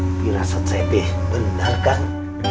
aku dirasa sedih benar kang